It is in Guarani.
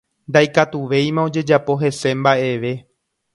Ndaikatuvéima ojejapo hese mbaʼeve.